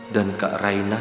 dan kak raina tahu